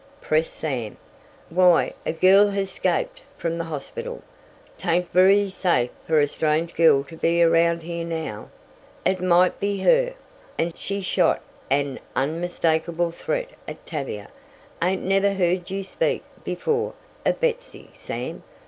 pressed Sam. "Why, a girl has 'scaped from the hospital. 'Tain't very safe fer a strange girl to be around here now. It might be her," and she shot an unmistakable threat at Tavia. "Ain't never heard you speak, before, of Betsy, Sam.